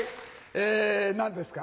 え何ですか？